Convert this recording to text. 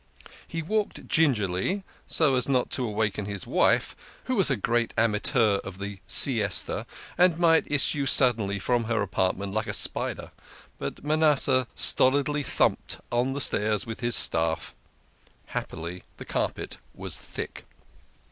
He walked gingerly, so as not to awaken his wife, who was a great amateur ot the siesta, and might issue suddenly from her apartment like a spider, but Manasseh stolidly thumped on the stairs with his staff. Happily the carpet was thick.